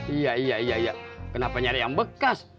iya iya iya kenapa nyari yang bekas